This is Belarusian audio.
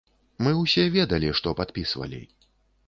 Мы ўсе ведалі, што падпісвалі.